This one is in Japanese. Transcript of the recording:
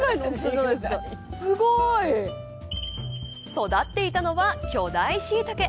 育っていたのは巨大シイタケ。